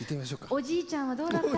おじいちゃんはどうだった？